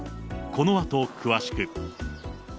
このあと詳しく。